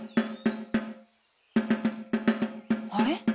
あれ？